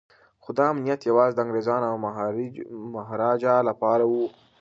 خو دا امنیت یوازې د انګریزانو او مهاراجا لپاره و.